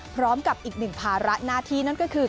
พร้อมกับอีกหนึ่งภาระหน้าที่นั่นก็คือ